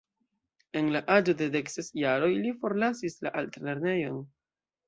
En la aĝo de dek ses jaroj li forlasis la altlernejon.